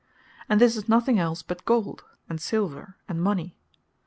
And this is nothing else but Gold, and Silver, and Mony.